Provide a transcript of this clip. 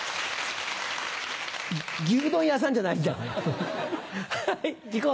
牛丼屋さんじゃないんだから。